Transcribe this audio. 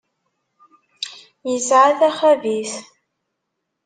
Isɛa taxabit.